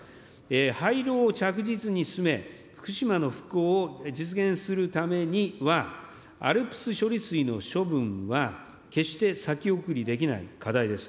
廃炉を着実に進め、福島の復興を実現するためには、ＡＬＰＳ処理水の処分は、決して先送りできない課題です。